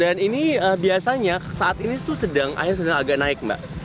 dan ini biasanya saat ini tuh sedang agak naik mbak